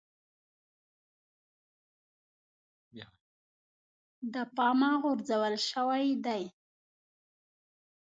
د پامه غورځول شوی دی.